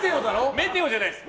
メテオじゃないです。